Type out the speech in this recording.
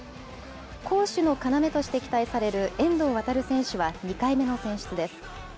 攻守の要として期待される、遠藤航選手は２回目の選出です。